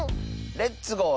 「レッツゴー！